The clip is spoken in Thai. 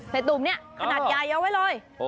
ตุ่มเนี่ยขนาดใหญ่เอาไว้เลย